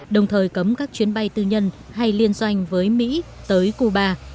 đồng thời cấm các chuyến bay tư nhân hay liên doanh với mỹ tới cuba